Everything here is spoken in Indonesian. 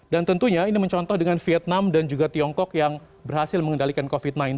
dan tentunya ini mencontoh dengan vietnam dan juga tiongkok yang berhasil mengendalikan covid sembilan belas